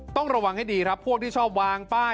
ต้องระวังให้ดีครับพวกที่ชอบวางป้าย